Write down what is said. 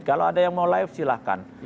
kalau ada yang mau live silahkan